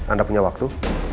anda punya waktu